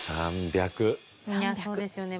そうですよね